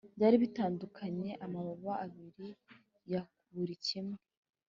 byari bitandukanye amababa abiri ya buri kimwe